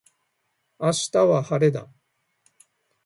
明日は晴れだ。